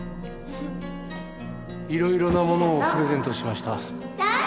色々なものをプレゼントしました。